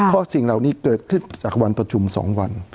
เพราะสิ่งเหล่านี้เกิดขึ้นจากวันประชุม๒วัน